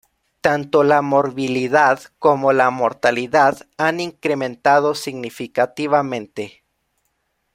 Tanto la morbilidad como la mortalidad han incrementado significativamente.